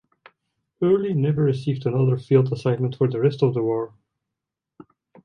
Early never received another field assignment for the rest of the war.